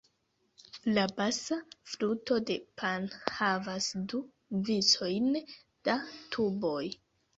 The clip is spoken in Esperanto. La basa fluto de Pan havas du vicojn da tuboj.